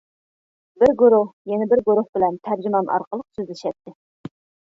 بىر گۇرۇھ يەنە بىر گۇرۇھ بىلەن تەرجىمان ئارقىلىق سۆزلىشەتتى.